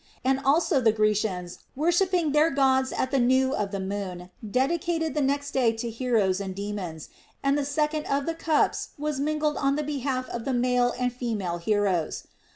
And also the Grecians, worshipping their Gods at the new of the moon, dedicated the next day to heroes and daemons, and the second of the cups was mingled on the behalf of the 218 THE ROMAN QUESTIONS. male arid female heroes.